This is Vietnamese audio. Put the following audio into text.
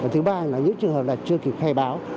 thứ ba là những trường hợp chưa kịp khai báo